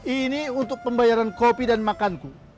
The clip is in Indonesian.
ini untuk pembayaran kopi dan makanku